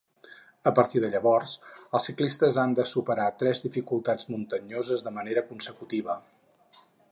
A partir de llavors els ciclistes han de superar tres dificultats muntanyoses de manera consecutiva.